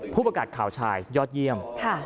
ผู้ประกาศข่าวชายยอดเยี่ยม